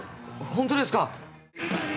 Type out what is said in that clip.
本当ですか。